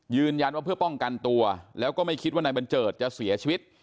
ยืนยันว่าเพื่อป้องกันตัวแล้วก็ไม่คิดว่านายบัญเจิดจะเสียชีวิต